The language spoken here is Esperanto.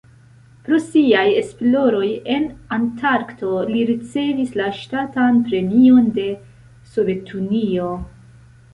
Pro siaj esploroj en Antarkto li ricevis la Ŝtatan Premion de Sovetunio.